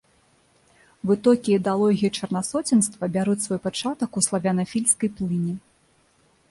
Вытокі ідэалогіі чарнасоценства бяруць свой пачатак у славянафільскай плыні.